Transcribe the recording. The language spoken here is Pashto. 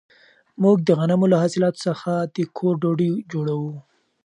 موږ د غنمو له حاصلاتو څخه د کور ډوډۍ جوړوو.